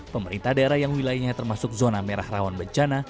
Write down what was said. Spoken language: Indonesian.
pemerintah daerah yang wilayahnya termasuk zona merah rawan bencana